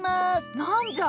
何じゃ！